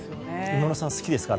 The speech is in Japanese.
今村さん好きですか？